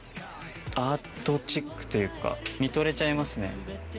アートチックというか見とれちゃいますね。